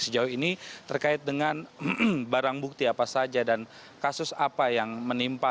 sejauh ini terkait dengan barang bukti apa saja dan kasus apa yang menimpa